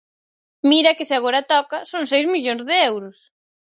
Mira que se agora toca, son seis millóns de euros.